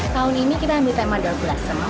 tahun ini kita ambil tema door blossom